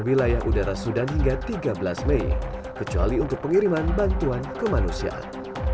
wilayah udara sudan hingga tiga belas mei kecuali untuk pengiriman bantuan kemanusiaan